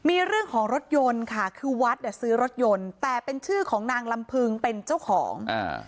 มีเรื่องของรถยนต์ค่ะคือวัดเนี่ยซื้อรถยนต์แต่เป็นชื่อของนางลำพึงเป็นเจ้าของอ่า